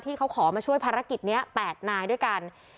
ที่เขาขอมาช่วยภารกิจนี้๘นายด้วยกัน